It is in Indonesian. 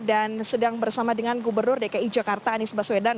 dan sedang bersama dengan gubernur dki jakarta anies baswedan